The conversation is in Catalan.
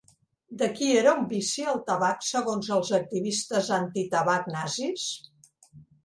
De qui era un vici el tabac segons els activistes antitabac nazis?